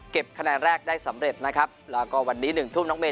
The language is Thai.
เก็บคะแดนแรกได้สำเร็จนะแล้วก็วันนี้หนึ่งถุ่มนักโนเมนท์